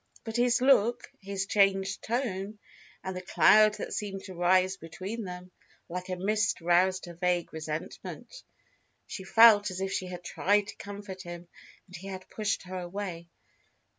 But his look, his changed tone, and the cloud that seemed to rise between them like a mist roused her vague resentment. She felt as if she had tried to comfort him and he had pushed her away.